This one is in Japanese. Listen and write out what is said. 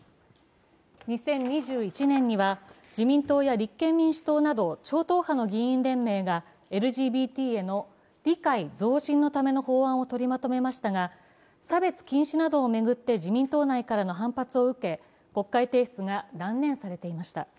２０２１年には自民党や立憲民主党など超党派の議員連盟がＬＧＢＴへの理解増進の法案を取りまとめましたが、差別禁止などを巡って自民党内での反発を受け国会提出が断念されていました。